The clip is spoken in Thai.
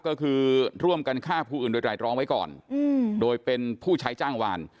ก็คือร่วมกันฆ่าผู้อื่นโดยไตรรองไว้ก่อนโดยเป็นผู้ใช้จ้างวาน